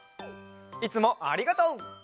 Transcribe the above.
いつもありがとう！